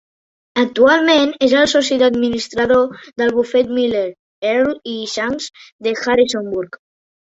Actualment és el soci administrador del bufet Miller, Earle i Shanks, de Harrisonburg.